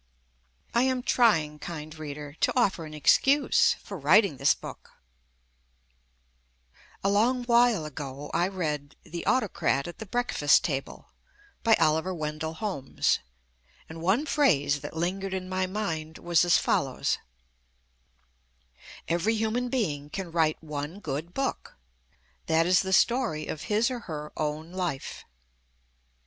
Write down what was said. I am try ing, Kind Reader, to offer an excuse for writ ing this book, A long while ago I read "The Autocrat at the Breakfast Table" by Oliver Wendell Holmes, and one phrase that lingered in my mind was as follows : "Every human being can write one good book — that is the story of his or her own life."